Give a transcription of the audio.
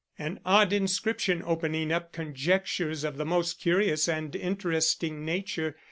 An odd inscription opening up conjectures of the most curious and interesting nature.